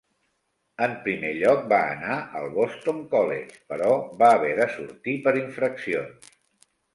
En primer lloc va anar al Boston College, però va haver de sortir per infraccions.